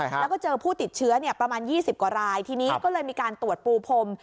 แล้วก็เจอผู้ติดเชื้อประมาณ๒๐กว่ารายทีนี้ก็เลยมีการตรวจปูพรม